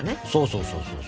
そうそうそう。